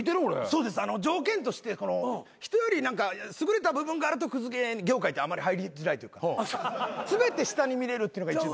そうです条件として人より優れた部分があるとクズ業界ってあまり入りづらいというか全て下に見れるっていうのが一番。